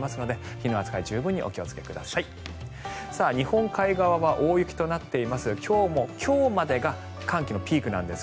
日本海側は大雪となっています。